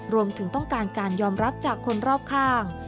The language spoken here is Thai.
รวมถึงต้องการการยอมรับจากคนรอบข้าง